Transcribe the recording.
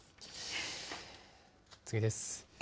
次です。